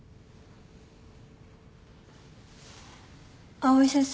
藍井先生。